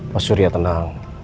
mas surya tenang